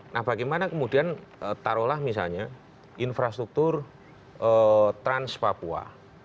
nah bagaimana kemudian taruhlah misalnya infrastruktur trans papua